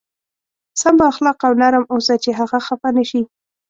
سم با اخلاقه او نرم اوسه چې هغه خفه نه شي.